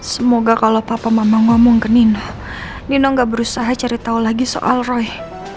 semoga kalau papa mama ngomong ke nino nina gak berusaha cari tahu lagi soal roy